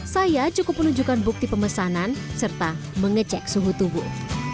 saya cukup menunjukkan bukti pemesanan serta mengecek suhu tubuh